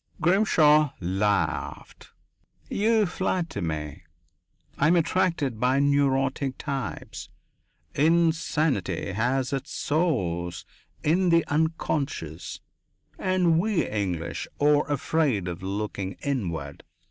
Grimshaw laughed. "You flatter me. I am attracted by neurotic types. Insanity has its source in the unconscious, and we English are afraid of looking inward."